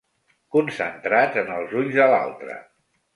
Concentrats en els ulls de l'altre.